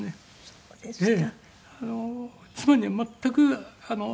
そうですね。